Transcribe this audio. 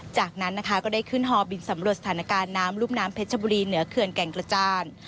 จากนั้นนะคะก็ได้ขึ้นฮอบินสำรวจสถานการณ์น้ำรุ่มน้ำเพชรบุรีเหนือเขื่อนแก่งกระจาน